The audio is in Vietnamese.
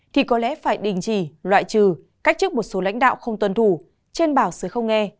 thì có lẽ phải đình chỉ loại trừ cách chức một số lãnh đạo không tuân thủ trên bảo sở không nghe